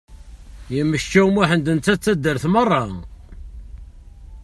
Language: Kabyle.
Yemceččaw Muḥend netta d taddart merra!